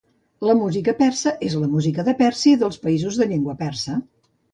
La música persa és la música de Pèrsia i dels països de llengua persa.